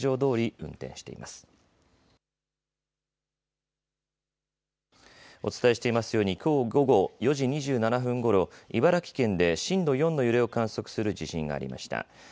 お伝えしていますようにきょう午後４時２７分ごろ茨城県で震度４の揺れを観測する地震がありました。